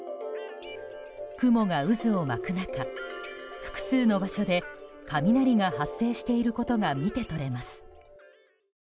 雲が渦を巻く中、複数の場所で雷が発生していることが見て取れます。